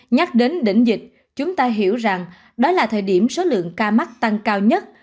nhắc đến đỉnh dịch chúng ta hiểu rằng đó là thời điểm số lượng ca mắc tăng cao nhất